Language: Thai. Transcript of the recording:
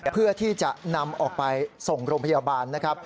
เพื่อที่จะนำออกไปส่งโรงพยาบาลนะครับ